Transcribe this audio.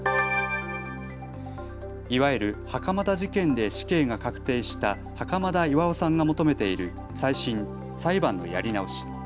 いわゆる、袴田事件で死刑が確定した袴田巌さんが求めている再審・裁判のやり直し。